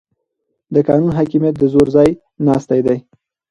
د قانون حاکمیت د زور ځای ناستی دی